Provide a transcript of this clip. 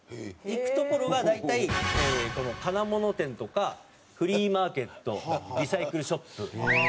行く所が大体この金物店とかフリーマーケットリサイクルショップ。